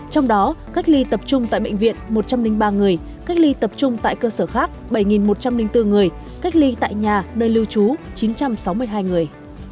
trong đó cách ly tập trung tại bệnh viện một trăm linh ba người cách ly tập trung tại cơ sở khác bảy một trăm linh bốn người cách ly tại nhà nơi lưu trú chín trăm sáu mươi hai người